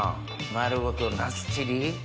丸ごとナスチリ。